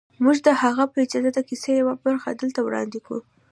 موږ د هغه په اجازه د کیسې یوه برخه دلته وړاندې کوو